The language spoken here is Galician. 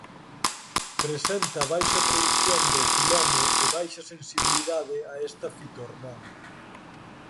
Presenta baixa produción de etileno e baixa sensibilidade a esta fitohormona.